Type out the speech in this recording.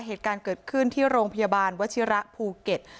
เหตุการณ์เกิดขึ้นที่โรงพยาบาลวชิระภูเก็ต